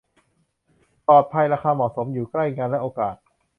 ปลอดภัย ราคาเหมาะสม อยู่ใกล้งานและโอกาส